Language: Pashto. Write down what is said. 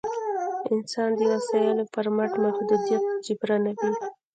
انسان د وسایلو پر مټ محدودیت جبرانوي.